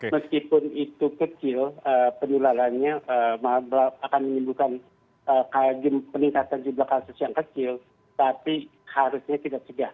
meskipun itu kecil penularannya akan menimbulkan peningkatan jumlah kasus yang kecil tapi harusnya kita cegah